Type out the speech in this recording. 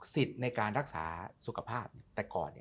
ในการรักษาสุขภาพแต่ก่อน